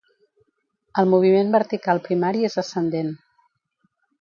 El moviment vertical primari és ascendent.